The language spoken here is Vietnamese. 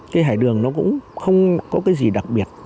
cái hải đường nó cũng không có cái gì đặc biệt